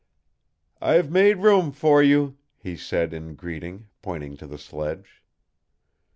"I've made room for you," he said in greeting, pointing to the sledge.